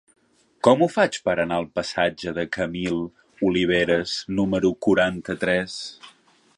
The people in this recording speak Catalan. Com ho faig per anar al passatge de Camil Oliveras número quaranta-tres?